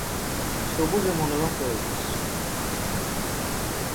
সবুজ ও মনোরম পরিবেশ।